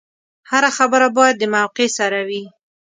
هره خبره باید د موقع سره وي.